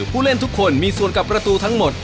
ผู้เล่นทุกคนมีส่วนกับประตูทั้งหมด